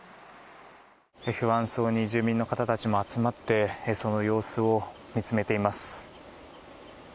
不安そうに住民の方たちも集まってその様子を見つめています。